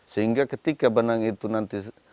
sehingga ketika benang itu nanti